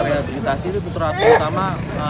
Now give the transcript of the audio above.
rehabilitasi itu terapi utama